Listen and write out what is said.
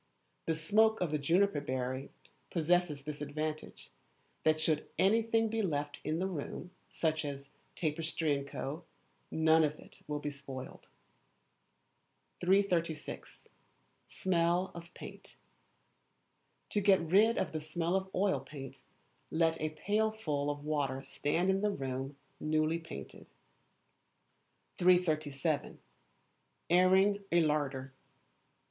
The smoke of the juniper berry possesses this advantage, that should anything be left in the room, such as; tapestry, &c., none of it will be spoiled. 336. Smell of Paint. To get rid of the smell of oil paint, let a pailful of water stand in the room newly painted. 337. Airing a Larder.